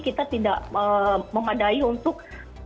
kita tidak mengadai untuk